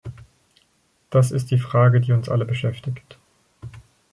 Das ist die Frage, die uns alle beschäftigt.